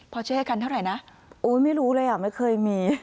พอเชื่อให้กันเท่าไหร่นะไม่รู้เลยไม่เคยมี